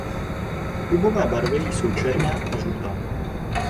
Klubové barvy jsou černá a žlutá.